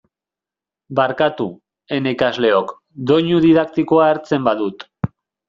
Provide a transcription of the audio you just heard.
Barkatu, ene ikasleok, doinu didaktikoa hartzen badut.